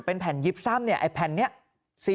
เป็นแผ่นยิบซ่ำเนี่ยไอ้แผ่นนี้